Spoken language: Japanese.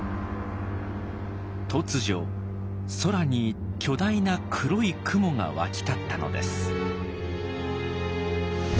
突如空に巨大な黒い雲が湧き立ったのです。